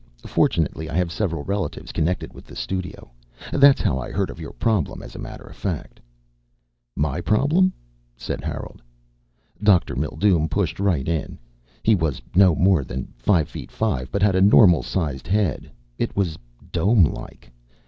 Fortunately I have several relatives connected with the studio. That's how I heard of your problem as a matter of fact." "My problem?" said Harold. Dr. Mildume pushed right in. He was no more than five feet five but had a normal sized head. It was domelike.